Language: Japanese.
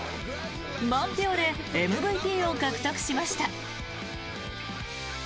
満票でＭＶＰを獲得しました。